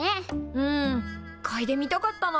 うんかいでみたかったな。